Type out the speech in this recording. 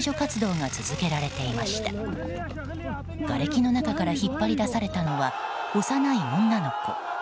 がれきの中から引っ張り出されたのは幼い女の子。